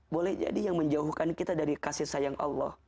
boleh jadi yang menjauhkan kita dari kasih sayang allah